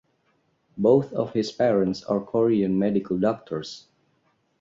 Both of his parents are Korean medical doctors.